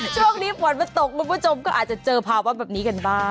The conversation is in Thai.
ช่วงนี้ฝนมันตกคุณผู้ชมก็อาจจะเจอภาวะแบบนี้กันบ้าง